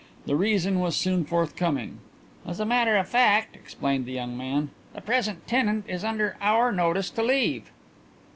The reason was soon forthcoming. "As a matter of fact," explained the young man, "the present tenant is under our notice to leave."